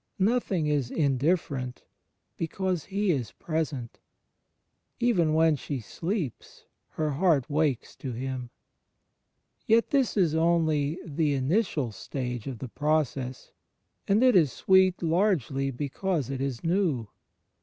Nothing is indifferent, because He is present. Even when she sleeps, her heart wakes to Him. 22 CHRIST IN THE INTERIOR SOUL 23 Yet this is only the initial stage of the process; and it is sweet largely because it is new.